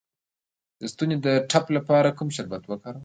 د ستوني د ټپ لپاره کوم شربت وکاروم؟